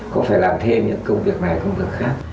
cũng phải làm thêm những công việc này công việc khác